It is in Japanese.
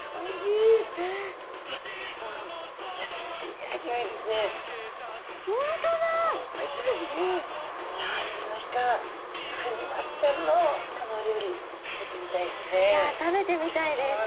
いやいつの日かクニマスちゃんのこのお料理食べてみたいですね。